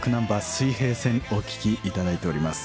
「水平線」お聴き頂いております。